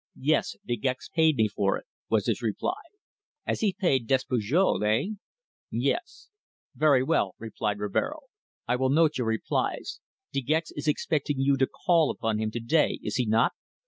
"Yes. De Gex paid me for it," was his reply. "As he paid Despujol eh?" "Yes." "Very well," replied Rivero. "I will note your replies. De Gex is expecting you to call upon him to day, is he not?"